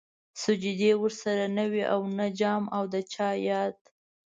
سجدې ورسره نه وې او نه جام او د چا ياد